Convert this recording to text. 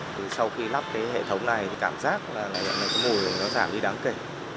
thì sau khi lắp cái hệ thống này thì cảm giác là cái mùi nó giảm đi đáng kể